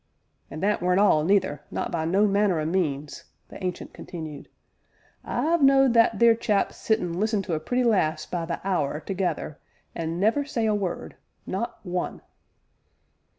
"An' that weren't all, neither, not by no manner o' means," the Ancient continued. "I've knowed that theer chap sit an' listen to a pretty lass by the hour together an' never say a word not one!"